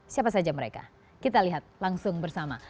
siapa saja mereka kita lihat langsung bersama